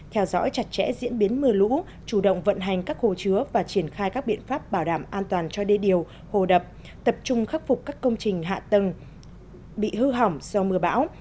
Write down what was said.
theo dõi chặt chẽ diễn biến mưa lũ chủ động vận hành các hồ chứa và triển khai các biện pháp bảo đảm an toàn cho đê điều hồ đập tập trung khắc phục các công trình hạ tầng bị hư hỏng do mưa bão